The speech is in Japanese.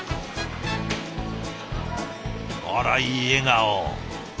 あらいい笑顔。